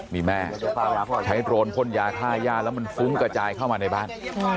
นี่แม่ใช้โดรนพ่นยาฆ่าย่าแล้วมันฟุ้งกระจายเข้ามาในบ้าน